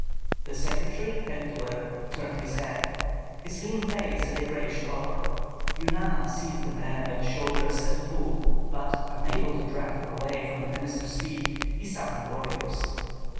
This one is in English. The secretary, Pentuer, turned his head; his lean face had a grayish color. Eunana seized the man by the shoulders and pulled, but, unable to drag him away from the minister's feet, he summoned warriors.